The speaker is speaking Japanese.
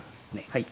はい。